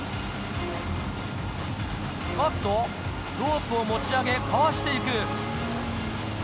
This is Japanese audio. おっとロープを持ち上げかわしていく。